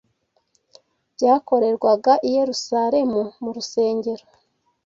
byakorerwaga i Yerusalemu mu rusengero.